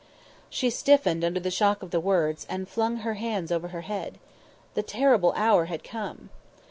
She stiffened under the shock of the words, and flung her hands over her head. The terrible hour had come!